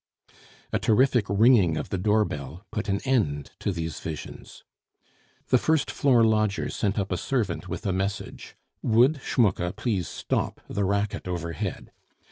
A terrific ringing of the door bell put an end to these visions. The first floor lodgers sent up a servant with a message. Would Schmucke please stop the racket overhead.